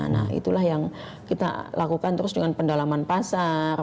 nah itulah yang kita lakukan terus dengan pendalaman pasar